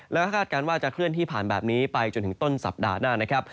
แล้วก็คาดการณ์ว่าจะเคลื่อนที่ผ่านแบบนี้ไปจนถึงต้นสัปดาห์หน้านะครับ